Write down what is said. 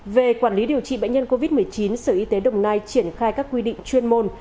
về quản lý điều trị bệnh nhân covid một mươi chín sở y tế đồng nai triển khai các quy định chuyên môn